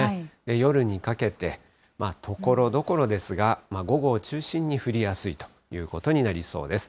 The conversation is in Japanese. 夜にかけて、ところどころですが、午後を中心に降りやすいということになりそうです。